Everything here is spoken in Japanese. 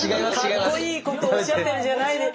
かっこいいことおっしゃってるんじゃない。